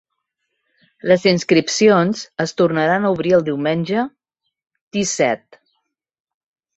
Les inscripcions es tornaran a obrir el diumenge, disset.